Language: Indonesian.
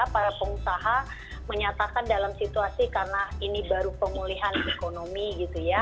para pengusaha menyatakan dalam situasi karena ini baru pemulihan ekonomi gitu ya